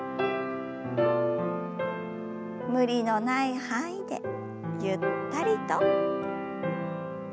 無理のない範囲でゆったりと。